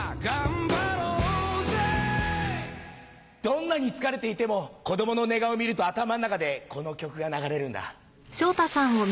どんなに疲れていても子供の寝顔を見ると頭の中でこの曲が流れるんだ。